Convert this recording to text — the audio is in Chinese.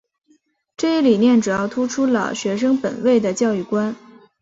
这一理念主要突出了学生本位的教育观。